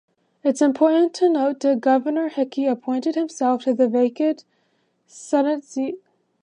It is important to note Governor Hickey appointed himself to the vacated Senate Seat.